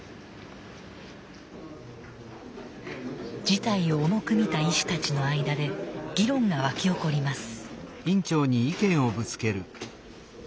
事態を重く見た医師たちの間で議論が沸き起こります。